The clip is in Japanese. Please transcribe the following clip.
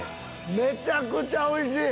めちゃくちゃおいしい！